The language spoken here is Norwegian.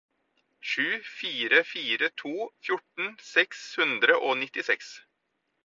sju fire fire to fjorten seks hundre og nittiseks